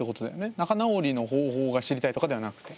仲直りの方法が知りたいとかではなくて。